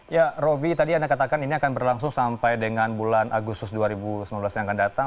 ya roby tadi anda katakan ini akan berlangsung sampai dengan bulan agustus dua ribu sembilan belas yang akan datang